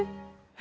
え？